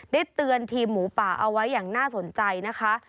เตือนทีมหมูป่าเอาไว้อย่างน่าสนใจนะคะ